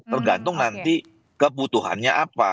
tergantung nanti kebutuhannya apa